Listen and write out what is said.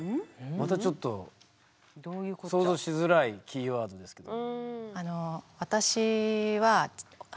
またちょっと想像しづらいキーワードですけど。